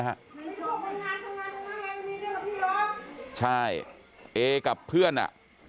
ครับใช่กับเพื่อนอ่ะ